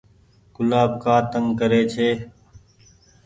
گلآب ڪآ تنگ ري ڇي۔